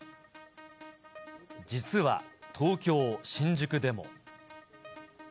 実は、東京・新宿でも。